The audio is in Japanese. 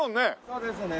そうですね。